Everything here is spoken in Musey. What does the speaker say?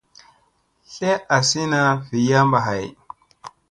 Tle asina vii yamba hay.